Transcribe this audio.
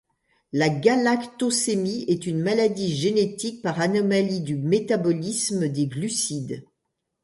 La galactosémie est une maladie génétique par anomalie du métabolisme des glucides.